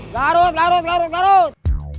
garut garut garut garut